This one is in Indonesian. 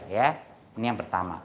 ini yang pertama